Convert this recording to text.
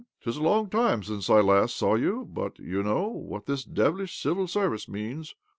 " 'Tis a long time since I last saw you, but you know what this devilish Civil Service means.